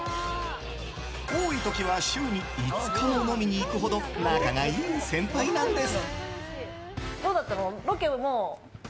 多い時は週に５回も飲みに行くほど仲がいい先輩なんです。